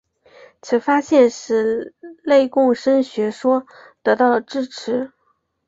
此发现使内共生学说得到了支持。